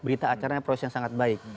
berita acaranya proses yang sangat baik